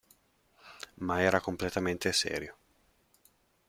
Ma era completamente serio.